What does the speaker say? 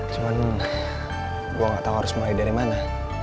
cuman gue gak tau harus mulai dari mana